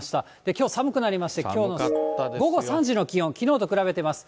きょう、寒くなりまして、きょうの午後３時の気温、きのうと比べてます。